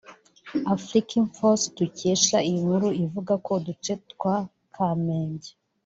Afriquinfos dukesha iyi nkuru ivuga ko uduce twa Kamenge